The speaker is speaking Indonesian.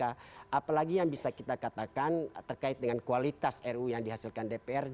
apalagi yang bisa kita katakan terkait dengan kualitas ru yang dihasilkan dpr